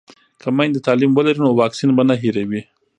که میندې تعلیم ولري نو واکسین به نه هیروي.